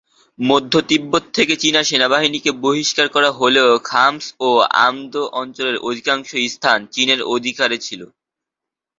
মধ্য তিব্বত থেকে চীনা সেনাবাহিনীকে বহিষ্কার করা হলেও খাম্স ও আমদো অঞ্চলের অধিকাংশ স্থান চীনের অধিকারে ছিল।